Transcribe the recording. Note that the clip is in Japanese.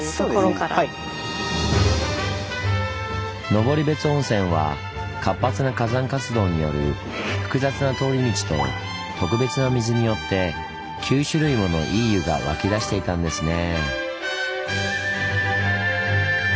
登別温泉は活発な火山活動による「複雑な通り道」と「特別な水」によって９種類もの“いい湯”が湧き出していたんですね。